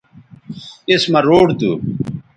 اس مہ روڈ تھو